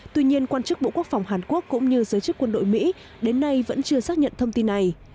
tuy nhiên quan chức bộ quốc phòng hàn quốc cũng như giới chức quân đội mỹ đến nay vẫn chưa xác nhận thông tin này